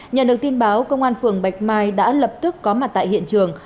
nhận được tin báo công an phường bạch mai đã lập tức có mặt tại hiện trường